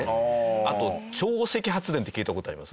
あと潮汐発電って聞いた事あります？